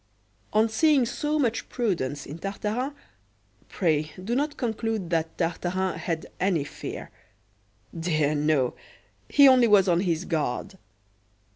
On seeing so much prudence in Tartarin, pray do not conclude that Tartarin had any fear dear, no! he only was on his guard.